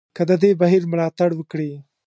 که د دې بهیر ملاتړ وکړي.